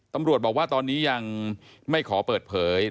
ตำรวจบอกว่าตอนนี้ยังไม่ขอเปิดเผย